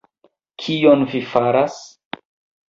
kion vi faras?